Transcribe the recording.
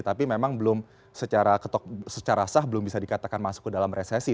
tapi memang belum secara sah belum bisa dikatakan masuk ke dalam resesi